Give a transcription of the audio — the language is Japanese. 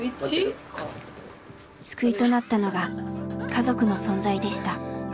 救いとなったのが家族の存在でした。